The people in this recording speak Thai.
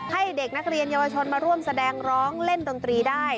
ให้เด็กนักเรียนเยาวชนมาร่วมแสดงร้องเล่นดนตรีได้